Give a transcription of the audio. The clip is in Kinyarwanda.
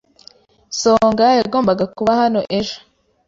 Songa yagombaga kuba hano ejo.